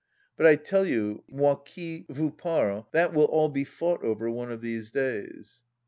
But I tell you, moi qui vous parle, that will all be fought over one of these days."